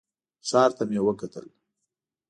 ښار ته مې وکتل.